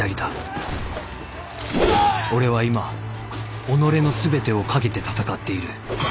俺は今己の全てをかけて戦っている。